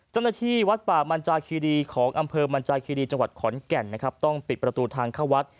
เจ้าหน้าที่วัดป่ามันจาคีรีของอำเภอมันจาคีรีจังหวัดขอนแก่นนะครับต้องปิดประตูทางเข้าวัด